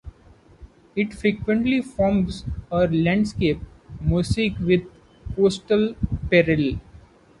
It frequently forms a landscape mosaic with coastal prairie.